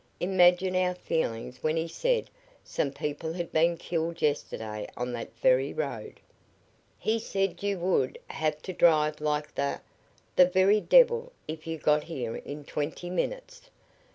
Imagine our feelings when he said some people had been killed yesterday on that very road. "He said you would have to drive like the the very devil if you got here in twenty minutes."